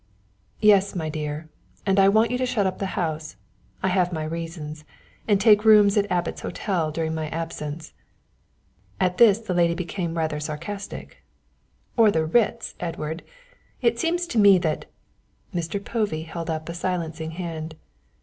"Yes, my dear, and I want you to shut up the house I have my reasons and take rooms at Abbot's Hotel during my absence." At this the lady became rather sarcastic. "Or the Ritz, Edward, it seems to me that " Mr. Povey held up a silencing hand.